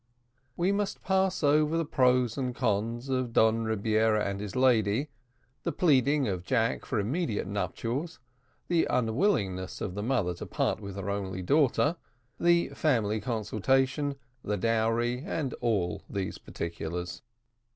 We must pass over the pros and cons of Don Rebiera and his lady, the pleading of Jack for immediate nuptials, the unwillingness of the mother to part with her only daughter, the family consultation, the dowry, and all these particulars.